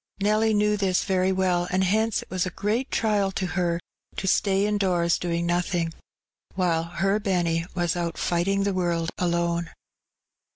Nelly knew this very well, and hence it was a great trial to her to stay indoors doing nothing, while her Benny was out fighting the world alone.